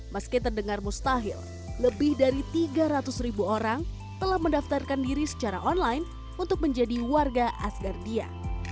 meski terdengar mustahil lebih dari tiga ratus ribu orang telah mendaftarkan diri secara online untuk menjadi warga asgardia